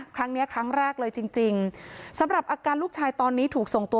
ครั้งแรกเลยจริงจริงสำหรับอาการลูกชายตอนนี้ถูกส่งตัว